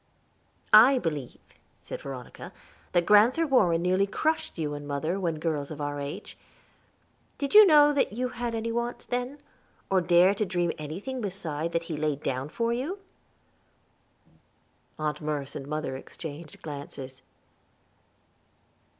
"I believe," said Veronica, "that Grand'ther Warren nearly crushed you and mother, when girls of our age. Did you know that you had any wants then? or dare to dream anything beside that he laid down for you?" Aunt Merce and mother exchanged glances.